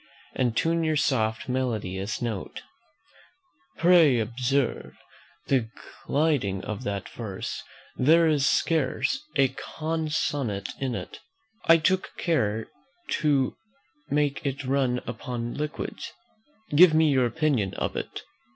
"'And tune your soft melodious notes,' "Pray observe the gliding of that verse; there is scarce a consonant in it: I took care to make it run upon liquids. Give me your opinion of it."